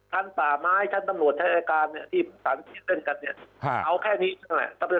ท่านป่าไม้ท่านตำรวจแทสการที่แสนเพียงเต้นกันเอาแค่นี้ต้องเอาจะทำไง